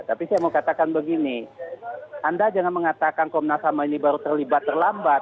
tapi saya mau katakan begini anda jangan mengatakan komnas ham ini baru terlibat terlambat